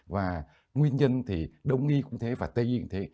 và nguyên nhân thì đông y cũng thế và tây nguyên cũng thế